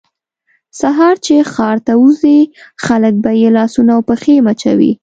سهار چې ښار ته وځي خلک به یې لاسونه او پښې مچوي.